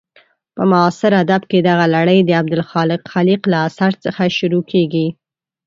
په معاصر ادب کې دغه لړۍ د عبدالخالق خلیق له اثر څخه شروع کېږي.